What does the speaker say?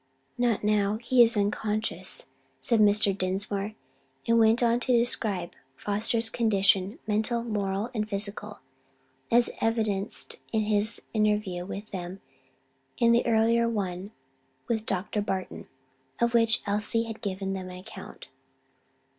"Not now; he is unconscious," said Mr. Dinsmore and went on to describe Foster's condition, mental, moral, and physical, as evidenced in his interview with them and the earlier one with Dr. Barton; of which Elsie had given them an account.